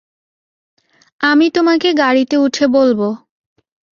আমি তোমাকে গাড়িতে উঠে বলব।